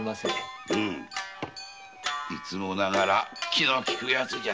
いつもながら気の利くやつじゃ。